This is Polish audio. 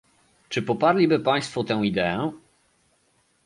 Czy poparliby państwo tę ideę?